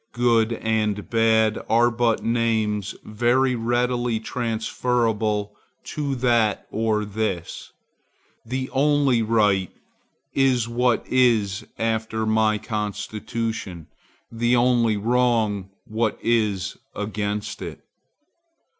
Good and bad are but names very readily transferable to that or this; the only right is what is after my constitution; the only wrong what is against it.